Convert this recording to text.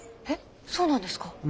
えっそうなんですか？